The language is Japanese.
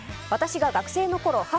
私が学生のころ